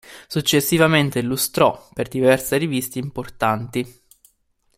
Successivamente illustrò per diverse riviste importanti.